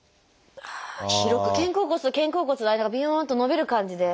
ああ肩甲骨と肩甲骨の間がびよんと伸びる感じで。